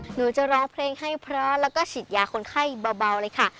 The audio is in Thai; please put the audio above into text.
หนูจะร้องเพลงให้เพราะแล้วก็ฉีดยาคนไข้เบาเลยค่ะ